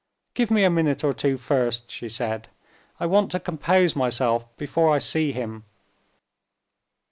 "Give me a minute or two first," she said; "I want to compose myself before I see him."